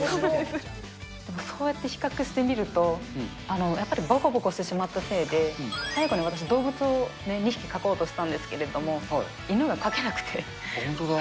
でもそうやって比較してみると、やっぱりぼこぼこしてしまったせいで、最後に私、動物を２匹描こうとしたんですけれども、犬が描けなくて。本当だ。